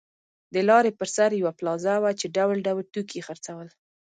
د لارې پر سر یوه پلازه وه چې ډول ډول توکي یې خرڅول.